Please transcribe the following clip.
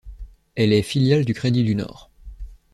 Elle est filiale du Crédit du Nord.